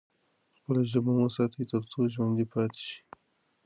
خپله ژبه مو وساتئ ترڅو ژوندي پاتې شئ.